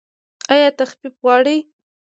ایا تخفیف غواړئ؟